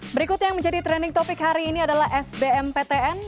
berikutnya yang menjadi trending topic hari ini adalah sbm ptn